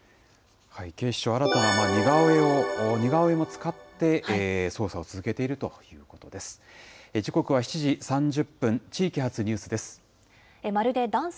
警視庁、新たな似顔絵を使って捜査を続けているということです。